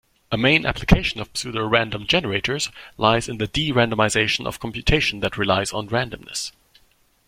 A main application of pseudorandom generators lies in the de-randomization of computation that relies on randomness.